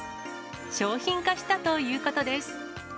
商品化したということです。